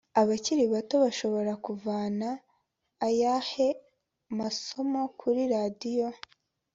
abakiri bato bashobora kuvana ayahe masomo ku riradio?